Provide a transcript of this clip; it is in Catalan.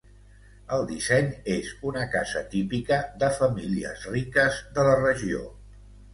El disseny és una casa típica de famílies riques de la regió.